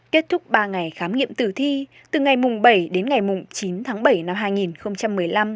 kết thúc ba ngày khám nghiệm tử thi từ ngày bảy đến ngày chín tháng bảy năm hai nghìn một mươi năm